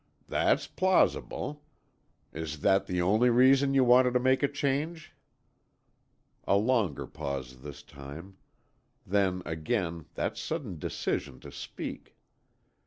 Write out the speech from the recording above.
"That's plausible. Is that the only reason you wanted to make a change?" A longer pause this time. Then, again, that sudden decision to speak.